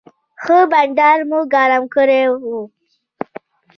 ښه بنډار مو ګرم کړی و.